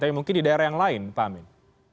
tapi mungkin di daerah yang lain pak amin